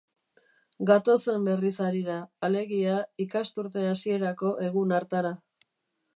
Gatozen berriz harira, alegia, ikasturte hasierako egun hartara.